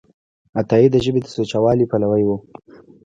عطایي د ژبې د سوچهوالي پلوی و.